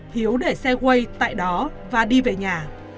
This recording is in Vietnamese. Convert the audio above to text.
hiếu để xe way tại đó và đi về nhà